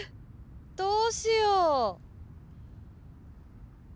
どうしよう。